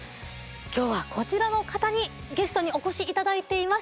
今日はこちらの方にゲストにお越しいただいています。